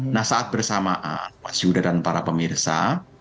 nah saat bersamaan pak siwuda dan para pemirsa